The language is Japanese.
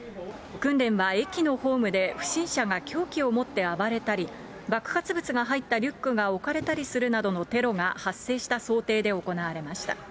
訓練は駅のホームで不審者が凶器を持って暴れたり、爆発物が入ったリュックが置かれたりするなどのテロが発生した想定で行われました。